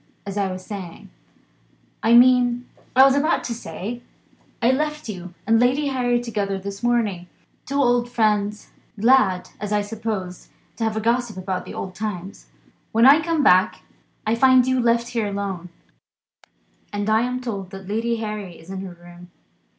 As I was saying I mean as I was about to say I left you and Lady Harry together this morning; two old friends, glad (as I supposed) to have a gossip about old times. When I come back, I find you left here alone, and I am told that Lady Harry is in her room.